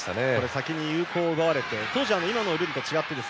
先に有効を奪われて当時は今のルールと違い